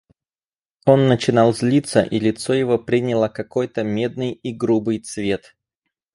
Он начинал злиться, и лицо его приняло какой-то медный и грубый цвет.